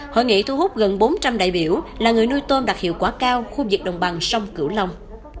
hội nghị thu hút gần bốn trăm linh đại biểu là người nuôi tôm đạt hiệu quả cao khu vực đồng bằng sông cửu long